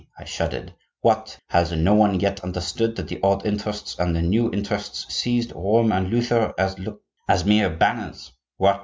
I shuddered. 'What! has no one yet understood that the old interests and the new interests seized Rome and Luther as mere banners? What!